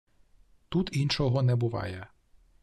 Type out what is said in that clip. Тут іншого не буває